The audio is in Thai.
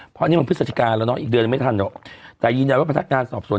เพราะนะอีกเดือนไม่ทันหรอกแต่ยินดาวน์ว่าผนักงานสอบสวน